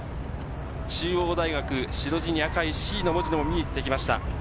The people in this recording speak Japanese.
中央大学、白地に赤いＣの文字も見えてきました。